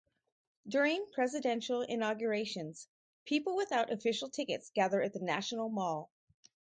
During presidential inaugurations, people without official tickets gather at the National Mall.